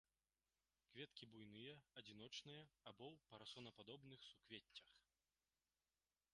Кветкі буйныя, адзіночныя або ў парасонападобных суквеццях.